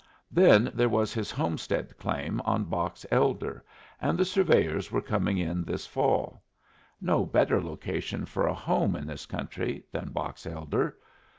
Then there was his homestead claim on Box Elder, and the surveyors were coming in this fall. No better location for a home in this country than Box Elder.